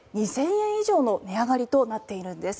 ２０００円以上の値上がりとなっているんです。